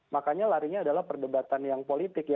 makanya larinya adalah perdebatan yang politik ya